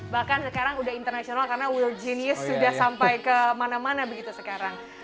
dan sekarang udah internasional karena we re genius sudah sampai kemana mana begitu sekarang